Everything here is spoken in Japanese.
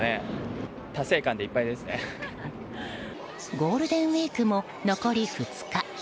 ゴールデンウィークも残り２日。